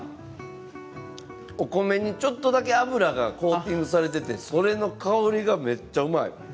お米にちょっとだけ油がコーティングされていてその香りがめっちゃうまい。